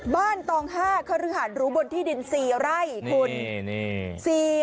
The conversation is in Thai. บ้านตองห้าคฤหัสหรูบนที่ดิน๔ไร่คุณ